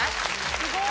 すごい！